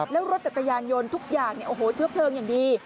แล้วรถจักรยายนยนต์ทุกอย่างเชื้อเพลิงอย่างดี